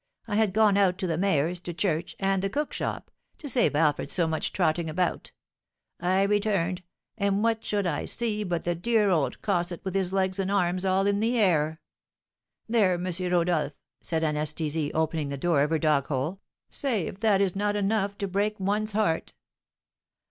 I had gone out to the mayor's, to church, and the cook shop, to save Alfred so much trotting about; I returned, and what should I see but the dear old cosset with his legs and arms all in the air! There, M. Rodolph," said Anastasie, opening the door of her dog hole, "say if that is not enough to break one's heart!"